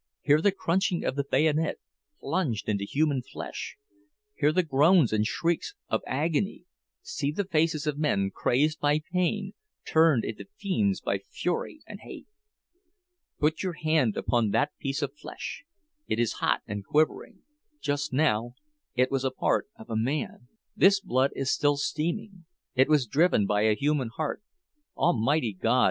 Hear the crunching of the bayonet, plunged into human flesh; hear the groans and shrieks of agony, see the faces of men crazed by pain, turned into fiends by fury and hate! Put your hand upon that piece of flesh—it is hot and quivering—just now it was a part of a man! This blood is still steaming—it was driven by a human heart! Almighty God!